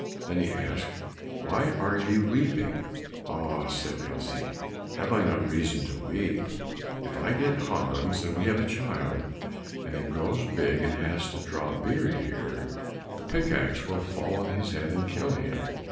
Then he asked, "Why are ye weeping?" "Ah," said Elsie, "have I not reason to weep? If I get Hans, and we have a child, and he grows big, and has to draw beer here, the pick axe will fall on his head and kill him."